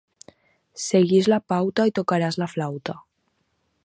Segueix la pauta i tocaràs la flauta.